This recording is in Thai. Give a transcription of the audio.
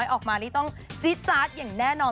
ออกมานี่ต้องจี๊ดจาดอย่างแน่นอน